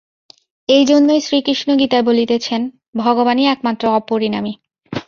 এইজন্যই শ্রীকৃষ্ণ গীতায় বলিতেছেন, ভগবানই একমাত্র অপরিণামী।